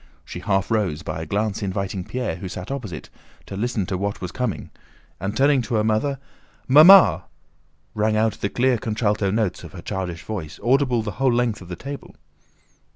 She half rose, by a glance inviting Pierre, who sat opposite, to listen to what was coming, and turning to her mother: "Mamma!" rang out the clear contralto notes of her childish voice, audible the whole length of the table.